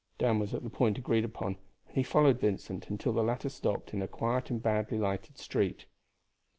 Dan was at the point agreed upon, and he followed Vincent until the latter stopped in a quiet and badly lighted street.